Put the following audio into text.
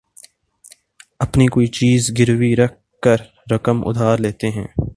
اپنی کوئی چیز گروی رکھ کر رقم ادھار لیتے ہیں